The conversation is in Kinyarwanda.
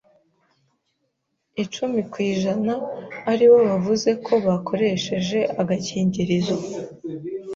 icumi kwijana aribo bavuze ko bakoresheje agakingirizo.